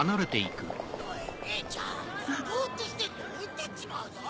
おいねえちゃんボっとしてっと置いてっちまうぞ！